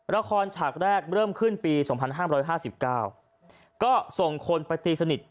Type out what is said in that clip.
ฉากแรกเริ่มขึ้นปี๒๕๕๙ก็ส่งคนไปตีสนิท